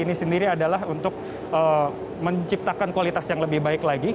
ini sendiri adalah untuk menciptakan kualitas yang lebih baik lagi